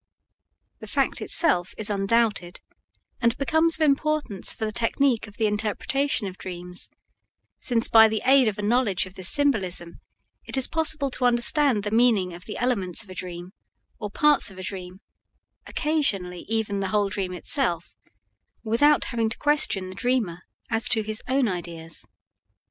The fact itself is undoubted, and becomes of importance for the technique of the interpretation of dreams, since by the aid of a knowledge of this symbolism it is possible to understand the meaning of the elements of a dream, or parts of a dream, occasionally even the whole dream itself, without having to question the dreamer as to his own ideas.